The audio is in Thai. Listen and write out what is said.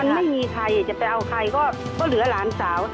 มันไม่มีใครจะไปเอาใครก็เหลือหลานสาว